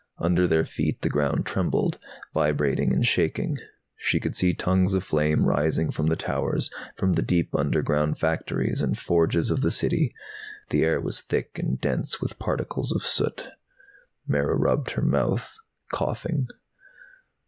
Under their feet the ground trembled, vibrating and shaking. She could see tongues of flame rising from the towers, from the deep underground factories and forges of the City. The air was thick and dense with particles of soot. Mara rubbed her mouth, coughing.